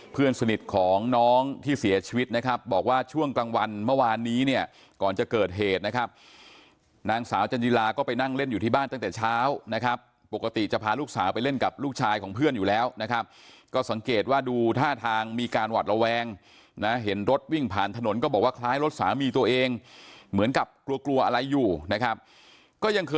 เพื่อนสนิทของน้องที่เสียชีวิตนะครับบอกว่าช่วงกลางวันเมื่อวานนี้เนี่ยก่อนจะเกิดเหตุนะครับนางสาวจันจิลาก็ไปนั่งเล่นอยู่ที่บ้านตั้งแต่เช้านะครับปกติจะพาลูกสาวไปเล่นกับลูกชายของเพื่อนอยู่แล้วนะครับก็สังเกตว่าดูท่าทางมีการหวัดระแวงนะเห็นรถวิ่งผ่านถนนก็บอกว่าคล้ายรถสามีตัวเองเหมือนกับกลัวกลัวอะไรอยู่นะครับก็ยังเคย